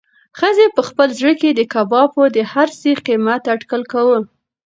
ښځې په خپل زړه کې د کبابو د هر سیخ قیمت اټکل کاوه.